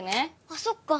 あっそっか。